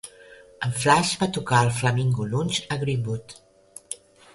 En Flash va tocar al Flamingo Lounge, a Greenwood.